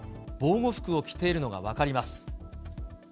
防護服を着ているのが分かります。